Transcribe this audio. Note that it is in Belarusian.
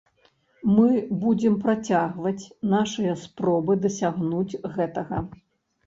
Мы будзем працягваць нашыя спробы дасягнуць гэтага.